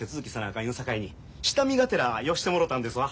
かん言うさかいに下見がてら寄してもろたんですわ。